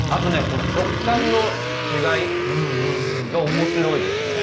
この食感の違いが面白いですね。